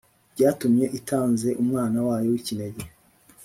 byatumye itanze umwana wayo w’ikinege